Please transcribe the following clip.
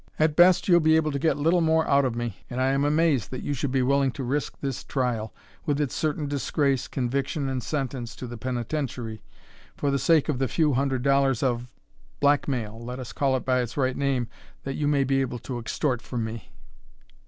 At best, you'll be able to get little more out of me, and I am amazed that you should be willing to risk this trial, with its certain disgrace, conviction, and sentence to the penitentiary, for the sake of the few hundred dollars of blackmail let us call it by its right name that you may be able to extort from me."